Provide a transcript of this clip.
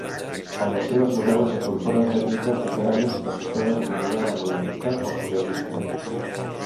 En les seves novel·les incorpora tècniques literàries associades amb la novel·la modernista o surrealista.